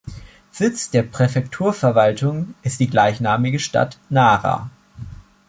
Sitz der Präfekturverwaltung ist die gleichnamige Stadt Nara.